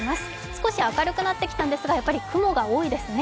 少し明るくなってきたんですが、やっぱり雲が多いですね。